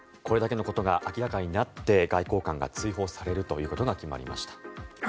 これだけのことが明らかになって外交官が追放されるということが決まりました。